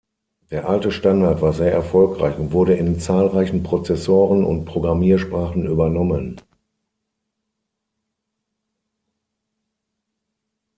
Der alte Standard war sehr erfolgreich und wurde in zahlreichen Prozessoren und Programmiersprachen übernommen.